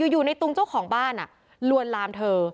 อยู่ในตุงเจ้าของบ้านลวนลามเธอ